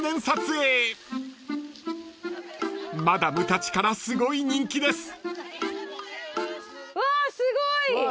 ［マダムたちからすごい人気です］わすごい！